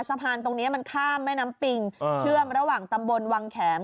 สะพานตรงนี้มันข้ามแม่น้ำปิงเชื่อมระหว่างตำบลวังแขม